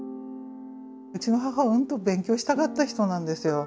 うちの母はうんと勉強したかった人なんですよ。